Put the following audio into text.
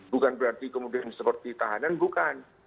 bukan berarti kemudian seperti tahanan bukan